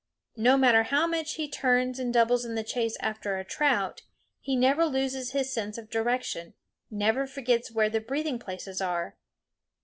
No matter how much he turns and doubles in the chase after a trout, he never loses his sense of direction, never forgets where the breathing places are.